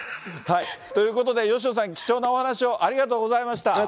ということで、吉野さん、貴重なお話をありがとうございました。